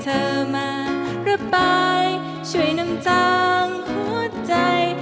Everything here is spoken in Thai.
จับหัวใจเธอมาระบายช่วยนำจังหัวใจ